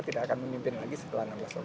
tidak akan memimpin lagi setelah enam belas tahun